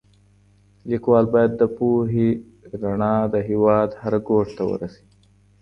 ليکوال بايد د پوهي رڼا د هېواد هر ګوټ ته ورسوي.